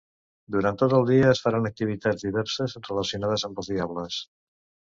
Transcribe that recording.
Durant tot el dia es faran activitats diverses relacionada amb els diables.